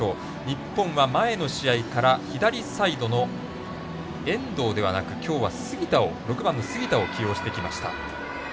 日本は前の試合から左サイドの遠藤ではなく今日は６番の杉田を起用してきました。